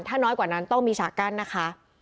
ถ้าน้อยกว่านั้นต้องมีฉากกั้นนะคะ